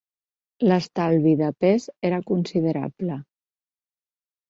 L'estalvi de pes era considerable.